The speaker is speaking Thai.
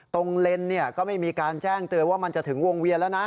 เลนก็ไม่มีการแจ้งเตือนว่ามันจะถึงวงเวียนแล้วนะ